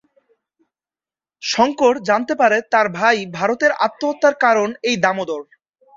শঙ্কর জানতে পারে তার ভাই ভরতের আত্মহত্যার কারণ এই দামোদর।